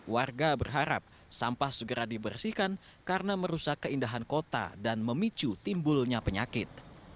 warga berharap sampah segera dibersihkan karena merusak keindahan kota dan memicu timbulnya penyakit